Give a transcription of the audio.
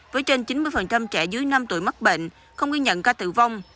với trên chín mươi trẻ dưới năm tuổi mắc bệnh không ghi nhận ca tử vong